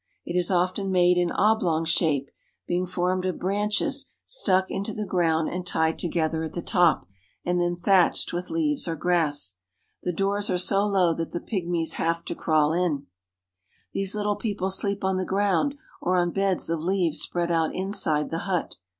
It is often made in oblong shape, being formed of branches stuck into the ground aud tied together at the top, and then thatched with leaves or grass. The doors are bo low that the pj'fjmies have to crawl in. I sxperl trappers a These little people sleep on the ground or on beds of leaves spread out inside the hut.